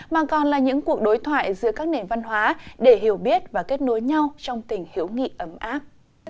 mà còn là những cuộc đối thoại giữa các nền văn hóa để hiểu biết và kết nối nhau trong tình hiểu nghị ấm áp